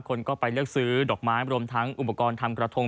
คนก็ไปเลือกซื้อดอกไม้รวมทั้งอุปกรณ์ทำกระทง